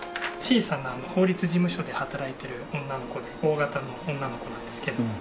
小さな法律事務所で働いている女の子でＯ型の女の子なんですけど。